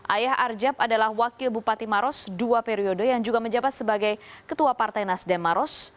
ayah arjab adalah wakil bupati maros dua periode yang juga menjabat sebagai ketua partai nasdem maros